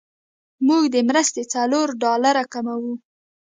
موږ د مرستې څلور ډالره کموو.